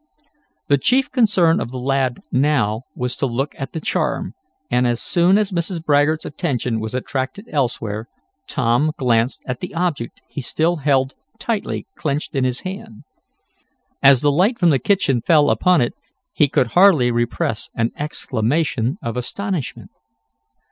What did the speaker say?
The chief concern of the lad now was to look at the charm and, as soon as Mrs. Baggert's attention was attracted elsewhere, Tom glanced at the object he still held tightly clenched in his hand. As the light from the kitchen fell upon it he could hardly repress an exclamation of astonishment.